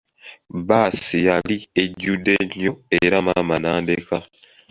Bbaasi yali ejjude nnyo, era maama n'andeka.